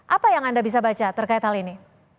apa yang anda bisa baca terkait hal ini